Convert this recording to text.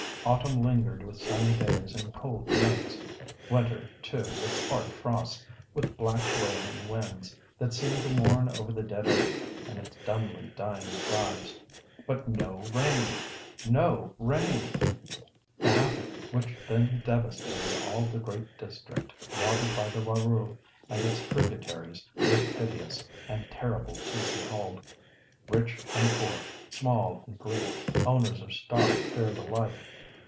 Autumn lingered with sunny days and cold nights. Winter too, with hard frosts, with black wailing winds, that seemed to mourn over the dead earth and its dumbly dying tribes. But no rain! No rain! The havoc which then devastated all the great district watered by the Warroo and its tributaries was piteous, and terrible to behold. Rich and poor, small and great, owners of stock fared alike.